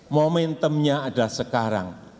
momentumnya adalah sekarang